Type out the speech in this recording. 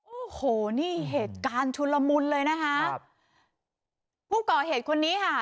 โอ้โหนี่เหตุการณ์ชุนละมุนเลยนะคะครับผู้ก่อเหตุคนนี้ค่ะ